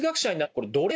これ。